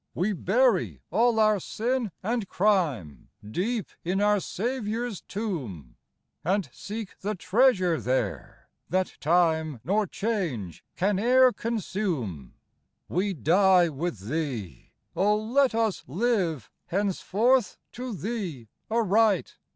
We bury all our sin and crime Deep in our Saviour's tomb, And seek the treasure there, that time Nor change can e'er consume. We die with Thee : oh, let us live Henceforth to Thee aright